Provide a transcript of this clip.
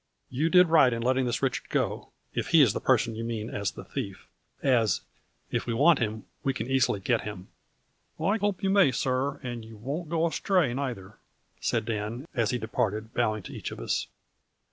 " You did right in letting this Richard go, if he is the person you mean as the thief, as, if we want him, we can easily get him." " I hope you may, sir, and you won't go as tray nayther," said Dan, as he departed bowing to each of us.